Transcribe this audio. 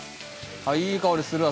いい香りするわ。